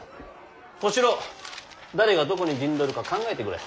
小四郎誰がどこに陣取るか考えてくれ。